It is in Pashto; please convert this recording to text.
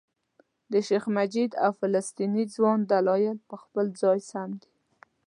د شیخ مجید او فلسطیني ځوان دلایل په خپل ځای سم دي.